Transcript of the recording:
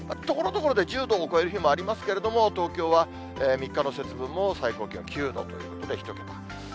ところどころで１０度を超える日もありますけれども、東京は３日の節分も最高気温９度ということで、１桁。